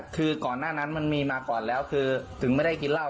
คือก่อนหน้านั้นมันมีมาก่อนแล้วคือถึงไม่ได้กินเหล้า